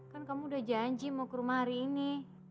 kan kamu udah janji mau ke rumah hari ini